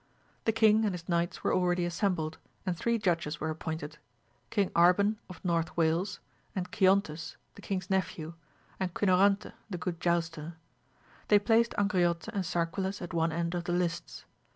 The king and his knights were already assembled, and three judges were appointed : King Arban of North Wales, and Giontes the king's nephew, and Quinorante the good j ouster ; they placed Angriote and Sarquiles at one eud of the lists.